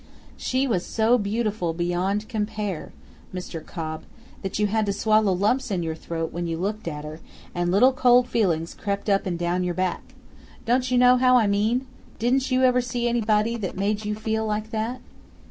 She was so beautiful beyond compare, Mr. Cobb, that you had to swallow lumps in your throat when you looked at her, and little cold feelings crept up and down your back. Don't you know how I mean? Didn't you ever see anybody that made you feel like that?"